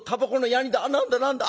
何だ何だ？